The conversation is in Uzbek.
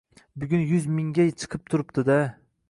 bugun yuz mingga chiqib turibdi-da!